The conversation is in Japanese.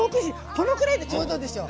このぐらいでちょうどでしょ。